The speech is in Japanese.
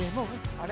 あれ？